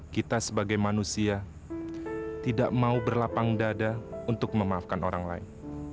kita sebagai manusia tidak mau berlapang dada untuk memaafkan orang lain